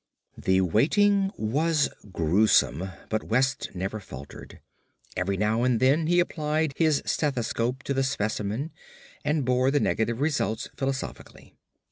The waiting was gruesome, but West never faltered. Every now and then he applied his stethoscope to the specimen, and bore the negative results philosophically.